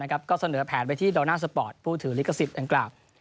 ก็เสนอแผนไปที่ดอลน่าสปอร์ตผู้ถือลิขสิทธิ์ดังกล่าว